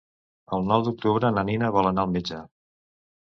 El nou d'octubre na Nina vol anar al metge.